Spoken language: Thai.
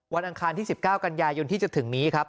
อังคารที่๑๙กันยายนที่จะถึงนี้ครับ